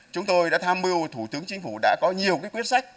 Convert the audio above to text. chúng tôi đã tham mưu thủ tướng chính phủ đã có nhiều quyết sách